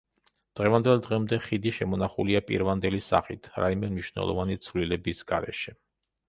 დღევანდელ დღემდე ხიდი შემონახულია პირვანდელი სახით, რაიმე მნიშვნელოვანი ცვლილების გარეშე.